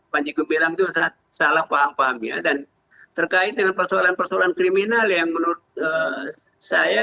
panji gumilang itu salah paham paham ya dan terkait dengan persoalan persoalan kriminal yang menurut saya